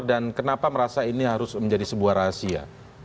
dan kenapa merasa ini harus menjadi sebuah rahasia